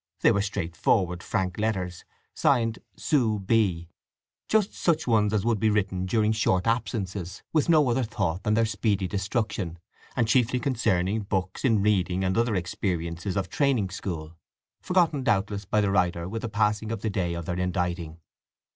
They were straightforward, frank letters, signed "Sue B—"; just such ones as would be written during short absences, with no other thought than their speedy destruction, and chiefly concerning books in reading and other experiences of a training school, forgotten doubtless by the writer with the passing of the day of their inditing.